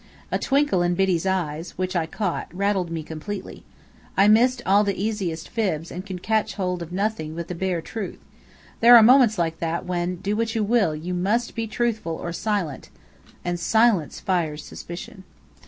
A twinkle in Biddy's eyes, which I caught, rattled me completely. I missed all the easiest fibs and could catch hold of nothing but the bare truth. There are moments like that, when, do what you will, you must be truthful or silent; and silence fires suspicion.